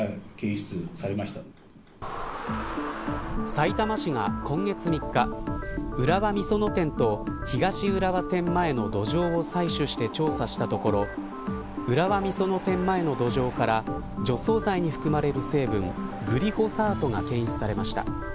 さいたま市が今月３日浦和美園店と東浦和店前の土壌を採取して調査したところ浦和美園店前の土壌から除草剤に含まれる成分グリホサートが検出されました。